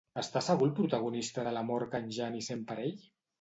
Està segur el protagonista de l'amor que en Jani sent per ell?